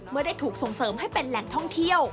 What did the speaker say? เมื่อได้ถูกส่งเสริมให้เป็นแหล่งท่องเที่ยว